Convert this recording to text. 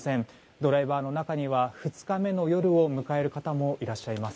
ドライバーの中には２日目の夜を迎える方もいらっしゃいます。